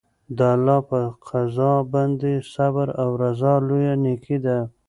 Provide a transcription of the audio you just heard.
د الله په قضا باندې صبر او رضا لویه نېکي ده.